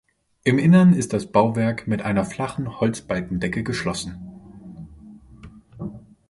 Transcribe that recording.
Im Innern ist das Bauwerk mit einer flachen Holzbalkendecke geschlossen.